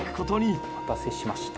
お待たせしました。